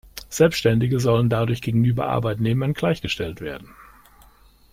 Selbständige sollen dadurch gegenüber Arbeitnehmern gleichgestellt werden.